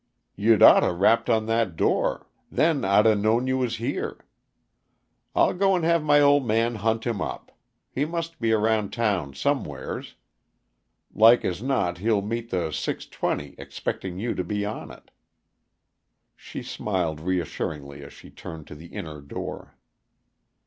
You'd oughta rapped on that door. Then I'd 'a' known you was here. I'll go and have my old man hunt him up. He must be around town somewheres. Like as not he'll meet the six twenty, expecting you to be on it." She smiled reassuringly as she turned to the inner door.